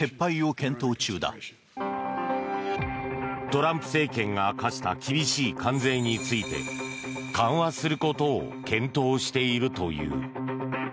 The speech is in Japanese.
トランプ政権が課した厳しい関税について緩和することを検討しているという。